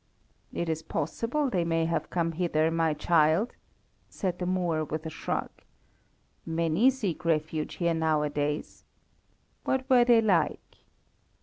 "It is possible they may have come hither, my child," said the Moor, with a shrug; "many seek refuge here nowadays. What were they like?"